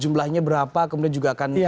jumlahnya berapa kemudian juga akan